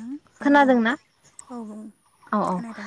ओं आं बुं खोनादोंना? औ बुं अ अ ओ खोनादों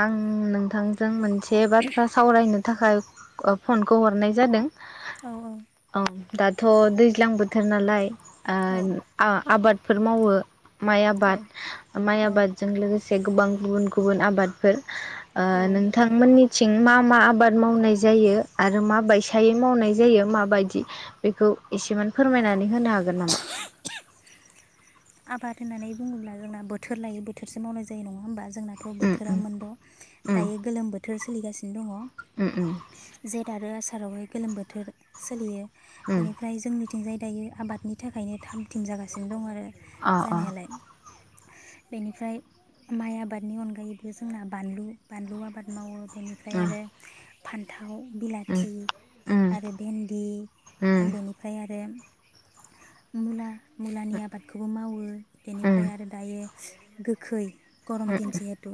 आं नोंथां जों मोनसे बाथ्रा सावरायनो थाखाय ओ फनखौ हरनाय जादों। औ औ। दाथ' दैज्लां बोथोर नालाय। औ आबाद। फोर मावो। माइ आबाद औ माइ औ आबादजों लोगोसे। एसे गोबां गुबुन गुबुन आबादफोर। ओ औ नोंथांमोननि। थिं मा मा आबाद मावनाय जायो आरो मा बायसायै मावनाय जायो माबायदि बेखौ एसेमान फोरमायनानै होनो हागोन नामा। आबाद होननानै बुङोब्ला जोंना बोथोर लायो बोथोरसो मावनाय जायो नङा होनोमबा। जोंनाथ' उम बोथोरा मोनद' उम दायो गोलोम बोथोर। सोलिगा। सिनो दंड़ उम उम जेथ आरो आसार। फोथारावहाय गोलोम बोथोर सोलियो। उम बेनिफ्राय जोंनि। थिंजाय दायो आबादनि थाखायनो थाम थिम जागासिनो दं आरो। अ अ जानायालाय। बेनिफ्राय माइ आबादनि अनगायैबो जोंना बानलु बानलु आबाद मावो। बेनिफ्राय उम आरो। फान्थाव थाव उम बिलाथि उम आरो भेन्दि उम बेनिफ्राय आरो मुला, मुलानिया आबादखौबो मावो उम बेनिफ्राय आरो दायो गोखै गरम उम दिन जिहेथु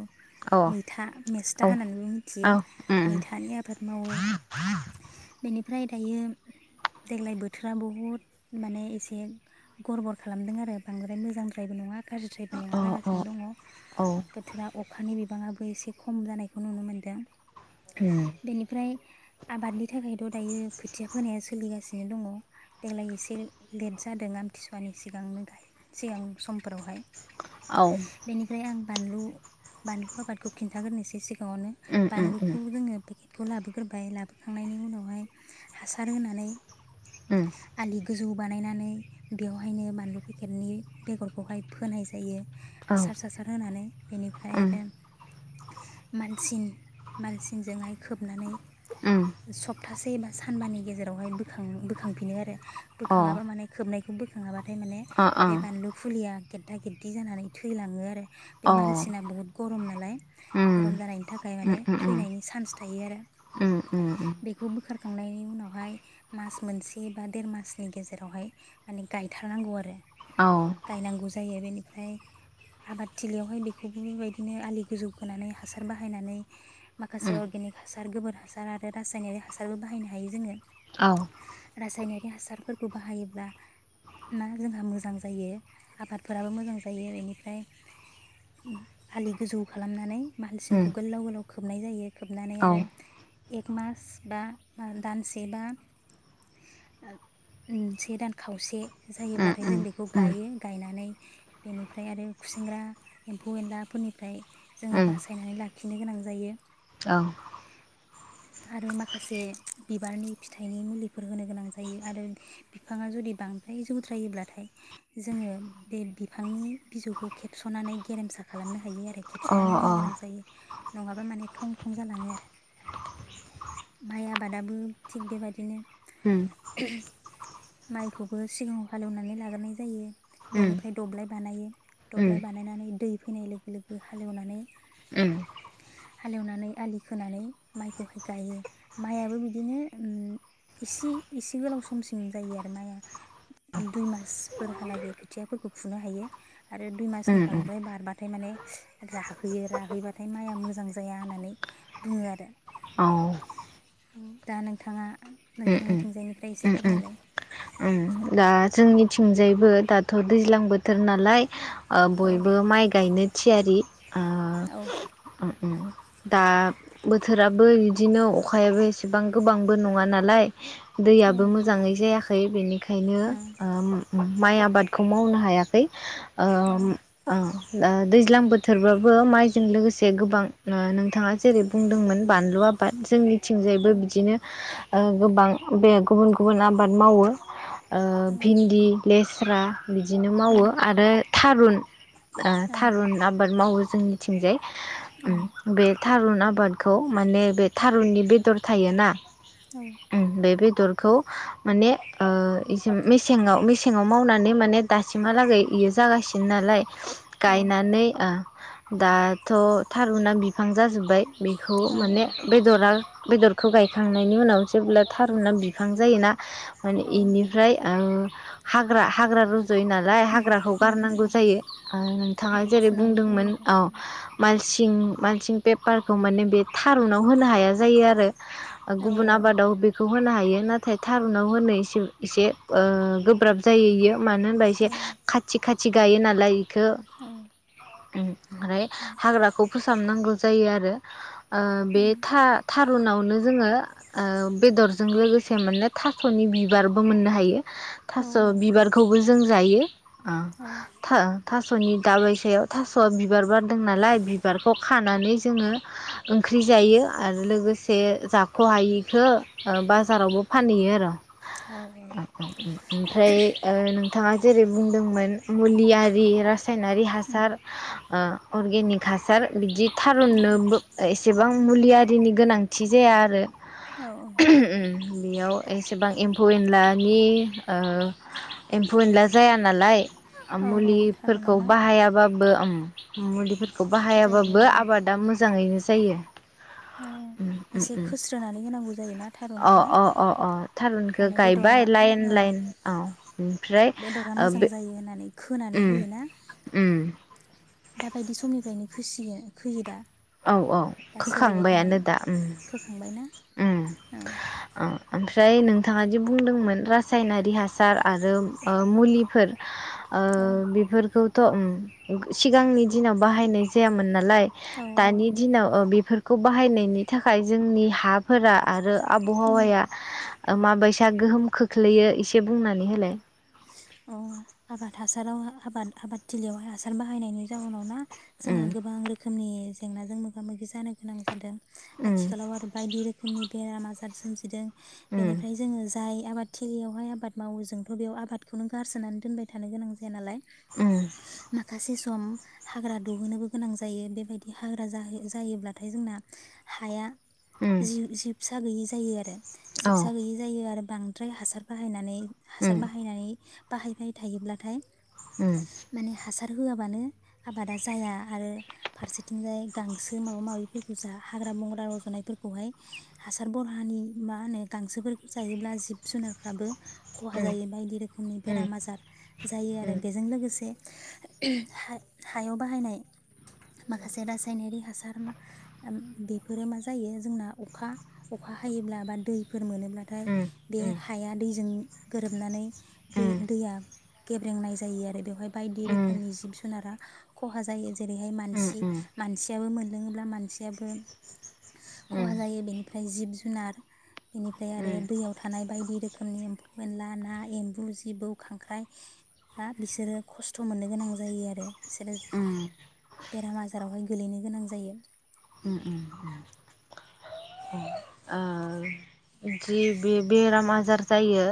औ मैथा, मेस्था औ होननानैबो औ मिथियो उम मैथानि आबाद मावो बेनि ओमफ्राय दायो देग्लाय बोथोरा बहुद माने एसे गरबर खालामदों आरो बांद्राय मोजांद्रायबो नङा गाज्रिद्रायबो अ नङा अ जागासिनो दङ औ बोथोरा अखानि बे बिबाङाबो एसे खम जानायखौ नुनो मोन्दों। उम बेनिफ्राय आबादनि थाखायथ' दायो खोथिया फोनाया सोलिगासिनो दङ, देग्लाय एसे लेट जादों आमथिसुवानि सिगांनो गायो सिगां समफोरावहाय। औ बेनिफ्राय आं बानलु, बानलु आबादखौ खिन्थाग्रोनोसै सि गाङावनो उम उम उम बानलुखौ जोङो खौ लाबोग्रोबाय लाबोखांनायनि उनावहाय हासार होनानै उम। आलि गोजौ बानायनानै बेव हायनो बानलु फेकेदनि बेगरखौहाय फोनाय जायो। औ हासार सासार होनानै बेनिफ्राय उम आरो मानसिन मानसिनजोंहाय खोबनानै उम सब थासे एबा सानबानि गेजेरावहाय बोखां-बोखांफिनो आरो। अ बोखाङाबा माने खोबनाय [unintelligible] [unintelligible] माने अ बे बानलु फुलिया गेद्दा गेद्दि जानानै थैलाङो आरो। बे मालसिना बुहुत गरम नालाय उम गरम जानायनि थाखाय उम माने थैनायनि सान्स थायो आरो उम उम उम बेखौ बोखारखांनायनि उनावहाय मास मोनसे बा देर मासनि गेजेरावहाय माने गायथारनांगौ आरो औ गायनांगौ जायो बेनि ओमफ्राय आबादथिलियावहाय बेखौबो बेबायदिनो आलि गोजौ खोनानै हासार बाहायनानै माखासे उम अर्गेनिक हासार गोबोर हासार आरो रासायनारि हासारबो बाहायनो हायो जोङो। औ रासायनारि हासार फोरखौ बाहायोब्ला ना जोंहा मोजां जायो। आबादफोराबो मोजां जायो बेनिफ्राय आलि गोजौ खालामनानै उम मालसिंखौ गोल्लाव गोलाव खोबनाय जायो खोबनानै औ आरो एक मास बा दानसे बा से दान खावसे उम जायोब्लाथाय जों उम बेखौ गायो, उम गायनानै बेनिफ्राय आरो खुसेंग्रा एम्फौ एनलाफोरनिफ्राय उम औ जोङो अ उम बासायनानै लाखिनो गोनां जायो। औ। आरो माखासे बिबारनि फिथाइनि मुलिफोर होनो गोनां जायो आरो बिफाङा जुदि बां फ्राय जौद्रायोब्लाथाय जोङो बे बिफांनि बिजौखौ खेबस'नानै गेरेमसा खालामनो हायो आरो। खेबस'नानै होनो गोनां उम जायो। नङाबा माने थं थं जालाङो आरो माइ आबादाबो थिग बेबादिनो माइखौ बो सिगाङाव हालेवनानै लाग्रोनाय जायो बेनिफ्राय दब्लाय बानायो दब्लाय बानायनानै दै फैनाय लोगो लोगो हालेवनानै हालेवनानै आलि खोनानै माइखौहाय गायो। मायाबो बिदिनो इसे इसे गोलाव समसिम जायो आरो माया। दुइ मासफोरहालागै खोथियाफोरखौ फुनो हायो। आरो दुइ मासनि बांद्राय बारबा फ्राय माने राहैयो, राहैबाथाय माया मोजां जाया होननानै बुङो आरो दा नोंथाङा उम नोंथांनिथिंजायनिफ्राय एसे उम उम फोरमायलाय। उम दा जोंनिथिंजायबो दाथ' दैज्लां बोथोर नालाय ओ औ बयबो माइ गायनो थियारि। आ औ दा बोथोराबो इदिनो अखायाबो एसेबां गोबांबो नङा नालाय दैयाबो मोजाङै जायाखै बेनि नो औ ओम माइ आबादखौ मावनो हायाखै। ओम औ ओ। ओ दैज्लां बोथोरबाबो माइजों लोगोसे गोबां नोंथाङा जेरै बुंदोंमोन बानलु आबाद जोंनि औ थिंजायबो बिदिनो ओ गोबां बे गुबुन गुबुन आबाद मावो। ओ भिन्दि, लेस्रा, बिदिनो मावो आरो थारुन, ओ‌ थारुन आबाद मावो जोंनिथिंजाय। ओम बे थारुन आबादखौ माने बे थारुननि बेदर थायोना, [inaudible] बे बेदरखौ माने ओ इसिम मेसेङाव मेसेङाव मावनानै माने दासिमहालागै इयो जागासिनो नालाय गायनानै ओ। दाथ' थारुना बिफां जाजोब्बाय बेखौ औ माने बेदरा बेदरखौ गायखांनायनि उनाव जेब्ला थारुना बिफां जायोना माने औ इनिफ्राय आं हाग्रा हाग्रा रज यो नालाय उम हाग्राखौ उम उम गारनांगौ जायो ओ औ नोंथाङा जेरै फुनांगौ जायो बुंदोंमोन औ आरो मालसिं मानसिं पेपारखौ माने बे थारुनाव होनो हाया जायो आरो गुबुन औ आबादाव बेखौ होनो हायो नाथाय थारुनाव होनो इसे एसे ओ गोब्राब जायो इयो मानो होनबा औ एसे खाथि खाथि गायो नालाय इखो औ उम औ ओमफ्राय हाग्राखौ फोसाबनांगौ जायो आरो ओ बे था-थारुनावनो जोङो ओ बेदरजों लोगोसे माने था स'नि बिबारबो मोननो हायो। औ थास' उम बिबारखौबो जों जायो। ओ था-थास'नि दा बायसायाव थास'आ बिबार बारदों नालाय बिबारखौ खानानै जोङो ओंख्रि जायो आरो लोगोसे जाख'हायिखो ओ बाजारावबो फानहैयो आरो। [unintelligible] ओमफ्राय ओ नोंथाङा जेरै बुंदोंमोन उम मुलि आरि रासा यनारि हासार ओ अर्गेनिक हासार बिदि औ थारुननोबो एसेबां मुलि आरिनि गोनांथि जाया आरो। औ औ। बेयाव एसे बां एम्फौ-एनलानि ओ एम्फौ-एनला जाया नालाय ओम औ थारुनाव मुलिफोरखौ ना बाहायाबाबो ओम मुलिफोर खौ जायो बाहायाबाबो आरो आबादा मोजां यैनो जायो। औ उम उम एसे उम खोस्रोनानै होनांगौ जायोना अ थारुनावहाय? अ अ अ थारुनखौ माने बेदरा गायबाय लाइन ओं लाइन औ ओमफ्राय बेदरा ओ मोजां बे जायो होननानै खोनानै उम होयोना उम दा बायदि समनिफ्रायनो खोसियो खोयो दा? औ औ दा सोलिबाय थानाय खोखांबायानो दा उम फोखांबायना उम औ ओ फ्राय नोंथाङादि बुंदोंमोन रासायनारि हासार आरो ओ मुलिफोर ओ बेफोरखौ थ' उम सिगांनि दिनाव बाहायनाय जायामोन ना लाय औ दानि दिनाव ओ बेफोरखौ बाहायनायनि थाखाय जोंनि हाफोरा आरो आब'हावाया माबायसा गोहोम खोख्लैयो एसे बुंनानै होलाय। अ आबाद हासाराव हाबाद आबाद थिलियावहाय हासार बाहायनायनि जाउनाव ना? उम जोंहा गोबां रोखोमनि जेंनाजों मोगा मोगि जानो गोनां जादों। उम आथिखालाव आरो बायदि रोखोमनि बेराम आजार सोमजिदों। उम बेनिफ्राय जोङो जाय आबाद थिलियावहाय आबाद मावो जोंथ' बेयाव आबाद बेखौनो गारसोनानै दोनबाय थानो गोनां जाया नालाय उम माखासे सम हाग्रा दुंहोनोबो गोनां जायो बेबायदि हाग्रा जाहो जायोब्लाथाय जोंना हाया उम जिव जिब फिसा गैयि जायो आरो। औ सिबसा गैयि जायो आरो बांद्राय हासार बाहायनानै हासार उम बाहायनाय बाहायबाय थायोब्लाथाय उम माने हासाद होआबानो आबादा जाया आरो फारसेथिंजाय गांसो माबा माबिफोरखौ जा हाग्रा बंग्रा रज'नायफोरखौहाय हासार बरहानि मा होनो गांसोफोरखौ जायोब्ला जिब जुनारफ्राबो खहा उम जायो बायदि रो खोमनि उम बेराम आजार जायो उम आरो बेजों लोगोसे हायाव बाहायनाय माखासे रासायनारि हासार मा ओम बेफोरो मा जायो जोंना अखा अखा हायोब्ला बा दैफोर मोनो मोनबाथाय बे उम उम हाया दैजों गोरोबनानै उम दै दैया। गेब्रेंनाय जायो आरो बेवहाय। बायदि रोखोमनि जिब जुनारा। खहा जायो। जेरैहायान उम मानसि मानसियाबो मोन। लोङोब्ला मानसियाबो। खहा जायो बेनिफ्राय। ओमफ्राय जिब जुनार। बेनिफ्राय आरो दैयाव थानाय बायदि रोखोम। रोखोमनि एम्फौ एनला ना एम्बु। जिबौ खांख्राइा बा‌ बिसोरो खस्थ मोननो गोनां जायो आरो। बिसोरो बेराम आजारावहाय। गोलैनो गोनां जायो। उम उम‌‌ उम अ ओ जि बे बेराम आजार जायो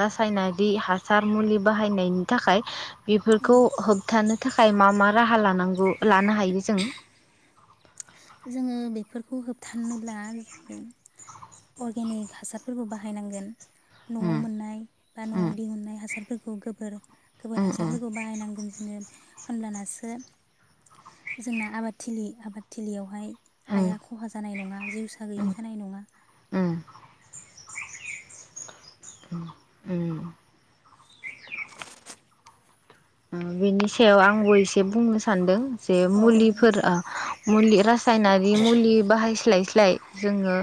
रासायनारि हासार मुलि बाहायनायनि थाखाय। बेफोरखौ होबथानो। थाखाय मा मा राहा लानांगौ लानो हायो जों। जोङो बेफोरखौ होबथानोब्ला जोङो अर्गेनिक हासारफोरखौ बाहायनांगोन। नआव उम मोननाय बा नआव उम दिहुनाय हासार। मोखौ गोबोर। गोबोर उम उम हासारफोरखौ बाहायनांगोन जोङो। होनब्लानासो जोंना आबादथिलि आबाद। थिलियावहाय। उम हाया खहा जानाय नङा जिउसा गैयि जानाय नङा। उम ओम ओम। बेनि सायाव आंबो एसे बुंनो सानदों। जे औ औ दे बुं। मुलिफोरा। मुलिथ। रासायनारि मुलि बा जोङो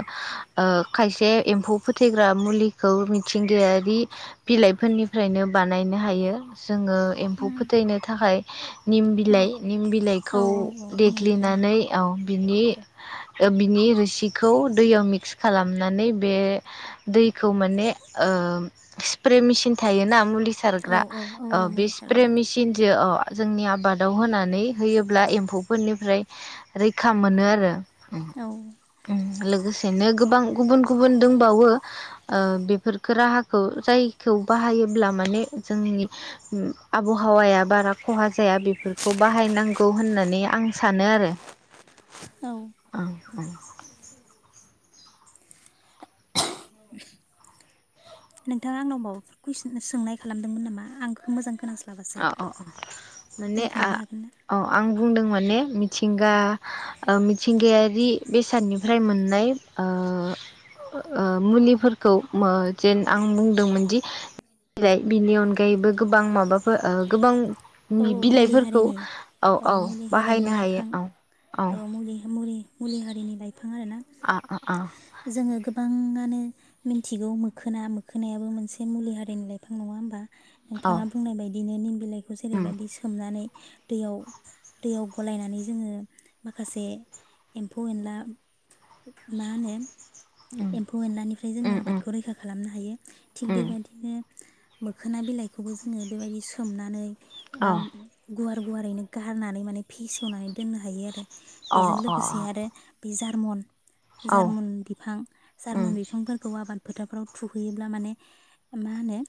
खायसे एम्फौ फोथैग्रा मुलिखौ मिथिंगायारि बिलाइफोरनिफ्रायनो बानायनो हायो जोङो एम फु फोथैनो थाखाय। निम औ बिलाइ निम औ बिलाइखौ औ औ निम बिलाइ देग्लिनानै ओं। बिनि बिनि रोसिखौ दैयाव मिक्स खालामनानै बे दैखौ माने स्प्रे मेसिन थायोना मुलि। औ सारग्रा औ औ ओ औ बे मुलि सिप प्रे सारग्रा मेसिनजो अ। जोंनि आबादाव होनानै होयोब्ला एम्फौफोरनिफ्राय रैखा मोनो आरो। ओम औ ओम लोगोसेनो गोबां गुबुन गुबुन दंबावो ओ बेफोरफोरखौ राहाखौ जायखौ बाहायोब्ला माने जोंनि आबहावाया बारा खहा जाया बेफोरखौ बाहायनांगौ होननानै आं सानो आरो औ औ औ नोंथाङा आंनाव माबाफोर कुइसन सोंनाय खालामदोंमोन नामा आं मोजां खोनास अ अ माने हागोन ना औ आं बुंदोंमोन [unintelligible] मिथिंगा मिथिंगायारि बेसादनिफ्राय मोननाय ओ ओ मुलिफोरखौ जेन आं बुंदोंमोनदि बिनि अनगायैबो गोबां माबा ओ गोबां औ मुलि बिलाइफोरखौ हारिनि औ औ मुलि हारिनि बाहायनो हायो लाइफां औ औ मुलि मुलि मुलि हारिनि लाइ बिफां आरोना आ आ आ जोङो गोबाङानो मिथिगौ मोखोना मोखोनायाबो मोनसे मुलि हारिनि लाइफां नङा होमबा औ नोंथाङा बुंनाय बायदि दिनो निम बिलाइ बेखौ उम जेरैबायदि सोमनानै दैयाव दैयाव गलायनानै जोङो माखासे एम्फौ एनला मा होनो उम एम्फौ एनलानिफ्राय जोङो उम उम आबादखौ रैखा खालामनो हायो थिग उम बेबादिनो मोखोना बिलाइखौबो जोङो बेबायदि सोमनानै अ बाम गुवार गुवारैनो गारनानै माने फेसेवनानै दोननो हायो आरो। अ बेजों अ लोगोसे आरो बि जारमन औ जार्मुन बिफां उम जार्मन बिफांफोरखौ आबाद फोथारफ्राव थुहैयोब्ला माने मा होनो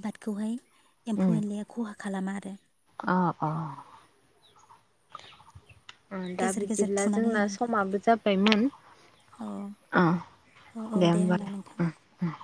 आबादखौहाय उम एमफौ एनलाया मा खालामा आरो अ अ दा गेजेर गेजेर बिदिब्ला थुनानै जोंना हैनांगौ समाबो जाबायमोन अ अ औ दे दे होमबा नोंथां होमबालाय